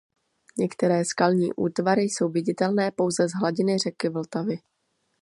Některé skalní útvary jsou viditelné pouze z hladiny řeky Vltavy.